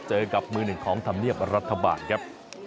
เจอกับมือหนึ่งของธรรมเนียบรัฐบาลครับ